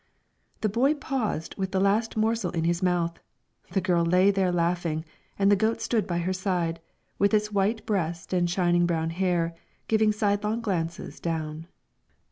The boy paused with the last morsel in his mouth; the girl lay there laughing, and the goat stood by her side, with its white breast and shining brown hair, giving sidelong glances down.